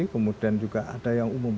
kemudian juga ada yang umum